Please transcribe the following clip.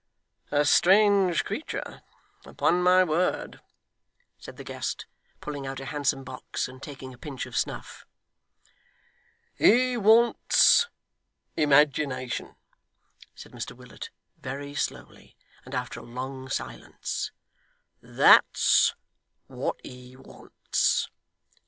'A strange creature, upon my word!' said the guest, pulling out a handsome box, and taking a pinch of snuff. 'He wants imagination,' said Mr Willet, very slowly, and after a long silence; 'that's what he wants.